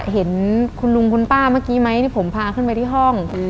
เห็นคุณลุงคุณป้าเมื่อกี้ไหมที่ผมพาขึ้นไปที่ห้อง